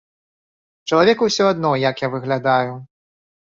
Чалавеку ўсё адно, як я выглядаю.